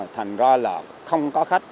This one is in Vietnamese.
thành ra là không có khách